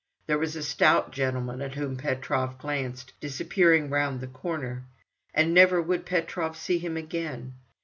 There was a stout gentleman, at whom Petrov glanced, disappearing round the corner—and never would Petrov see him again.